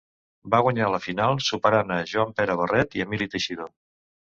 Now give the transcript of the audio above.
Va guanyar la final superant a Joan Pere Barret i Emili Teixidor.